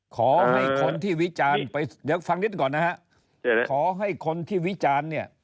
ขอให้คนที่วิจารณ์ไปเดี๋ยวฟังนิดก่อนนะฮะขอให้คนที่วิจารณ์เนี่ย